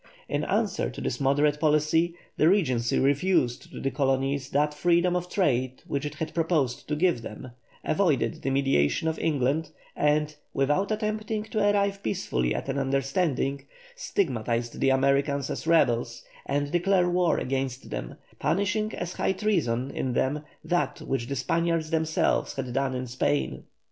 In answer to this moderate policy, the Regency refused to the colonies that freedom of trade which it had proposed to give them, avoided the mediation of England, and, without attempting to arrive peacefully at an understanding, stigmatised the Americans as rebels and declared war against them, punishing as high treason in them that which the Spaniards themselves had done in Spain.